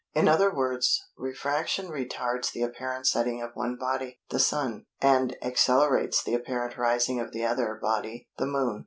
In other words, refraction retards the apparent setting of one body, the Sun, and accelerates the apparent rising of the other body, the Moon.